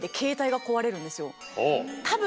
多分。